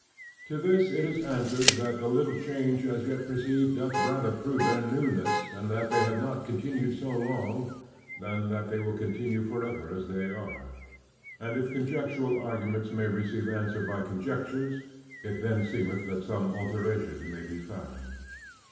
To this it is answered, that the little change as yet perceived, doth rather prove their newness, and that they have not continued so long; than that they will continue forever as they are. And if conjectural arguments may receive answer by conjectures; it then seemeth that some alteration may be found.